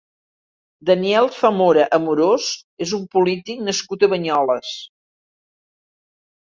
Daniel Zamora Amorós és un polític nascut a Banyoles.